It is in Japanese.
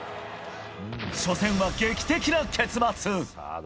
初戦は劇的な結末！